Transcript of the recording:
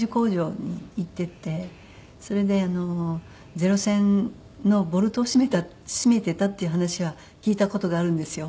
それでゼロ戦のボルトを締めてたっていう話は聞いた事があるんですよ。